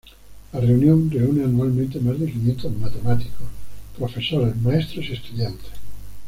La reunión reúne anualmente más de quinientos matemáticos, profesores, maestros y estudiantes.